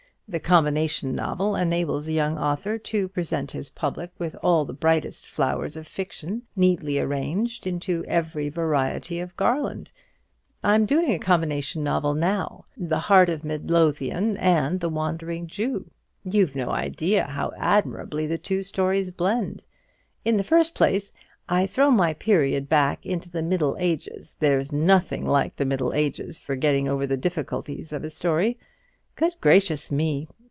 The combination novel enables a young author to present his public with all the brightest flowers of fiction neatly arranged into every variety of garland. I'm doing a combination novel now the 'Heart of Midlothian' and the 'Wandering Jew.' You've no idea how admirably the two stories blend. In the first place, I throw my period back into the Middle Ages there's nothing like the Middle Ages for getting over the difficulties of a story. Good gracious me!